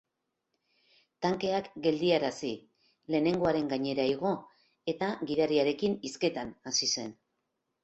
Tankeak geldiarazi, lehenengoaren gainera igo eta gidariarekin hizketan hasi zen.